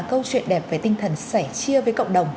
câu chuyện đẹp về tinh thần sẻ chia với cộng đồng